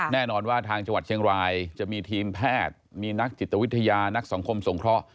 แน่นอนว่าทางจังหวัดเชียงรายจะมีทีมแพทย์มีนักจิตวิทยานักสังคมสงเคราะห